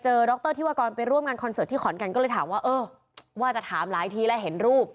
ดรธิวากรไปร่วมงานคอนเสิร์ตที่ขอนแก่นก็เลยถามว่าเออว่าจะถามหลายทีแล้วเห็นรูป